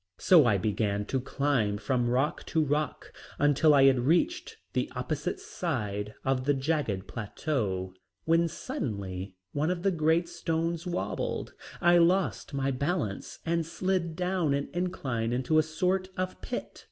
So I began to climb from rock to rock until I had reached the opposite side of the jagged plateau, when suddenly one of the great stones wobbled, I lost my balance and slid down an incline into a sort of a pit.